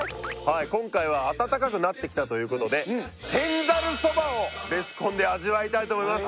今回は暖かくなってきたということでをベスコンで味わいたいと思います